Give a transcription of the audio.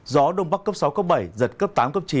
gió đông bắc cấp sáu cấp bảy giật cấp tám cấp chín